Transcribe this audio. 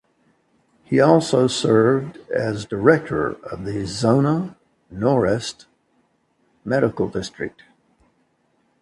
He also served as director of the "Zona Noreste" medical district.